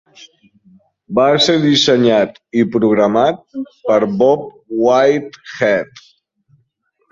Va ser dissenyat i programat per Bob Whitehead.